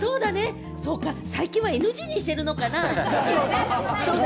最近はＮＧにしているのかな？